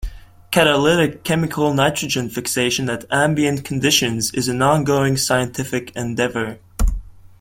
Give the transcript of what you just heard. Catalytic chemical nitrogen fixation at ambient conditions is an ongoing scientific endeavor.